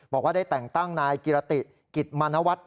บอกว่าได้แต่งตั้งนายกิรติกิจมณวัฒน์